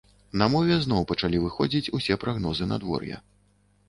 На мове зноў пачалі выходзіць усе прагнозы надвор'я.